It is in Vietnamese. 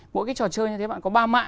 mỗi cái trò chơi như thế bạn có ba mạng